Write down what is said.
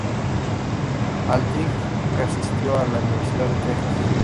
Aldridge asistió a la Universidad de Texas.